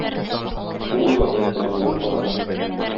Бу уйлады, язуын карады.